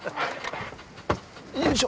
よいしょ。